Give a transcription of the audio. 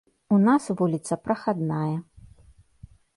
У нас вуліца прахадная.